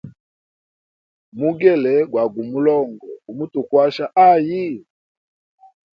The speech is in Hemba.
Mugele gwa gu mulongo, gumutukwasha ayi?